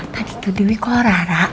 tadi tuh dewi call rara